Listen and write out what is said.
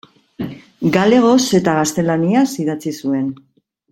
Galegoz eta gaztelaniaz idatzi zuen.